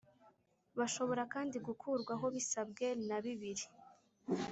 Bashobora kandi gukurwaho bisabwe na bibiri